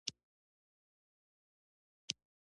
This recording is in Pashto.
زما اولاد ډیر هوښیار دي.